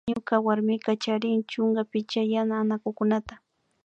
Ñuka warmika charin chunka picha yana anakukunata